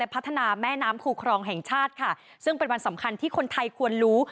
พัฒนาแม่น้ำคูครองแห่งชาติค่ะซึ่งเป็นวันสำคัญที่คนไทยควรรู้